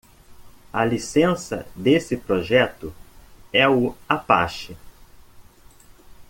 A licença desse projeto é o Apache.